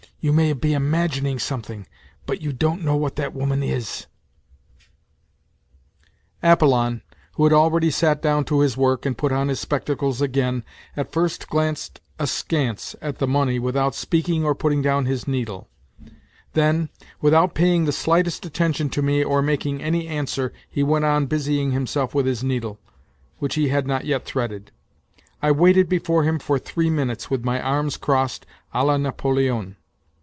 You may be imagining something. ... But you don't know what that woman is !"... Apollon, who had already sat down to his work and put on his spectacles again, at first glanced askance at the money without speaking or putting down his needle ; then, without paying the slightest attention to me or making any answer he went on busying himself with his needle, which he had not yet threaded. I waited before him for three minutes with my arms crossed a la Napoldon.